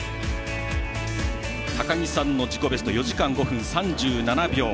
高樹さんの自己ベスト４時間５分３７秒。